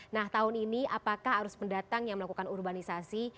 nah tahun ini apakah arus pendatang yang melakukan urbanisasi